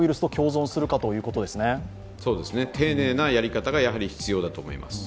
丁寧なやり方が必要だと思います。